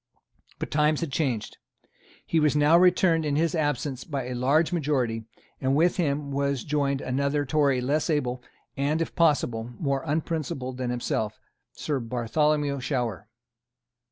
But times had changed. He was now returned in his absence by a large majority; and with him was joined another Tory less able and, if possible, more unprincipled than himself, Sir Bartholomew Shower.